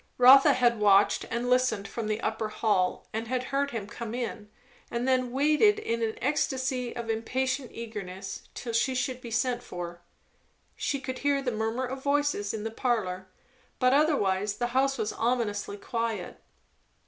Rotha had watched and listened from the upper hall; had heard him come in, and then had waited in an ecstasy of impatient eagerness till she should be sent for. She could hear the murmur of voices in the parlour; but otherwise the house was ominously quiet.